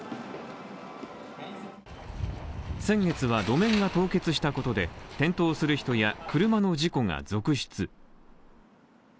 先月は路面が凍結したことで転倒する人や車の事故が続出。